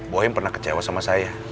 boy pernah kecewa sama saya